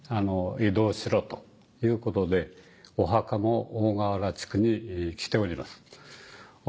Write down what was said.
移動しろということでお墓も大川原地区に来ております。